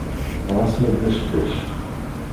Ɣas ma ddac ddac.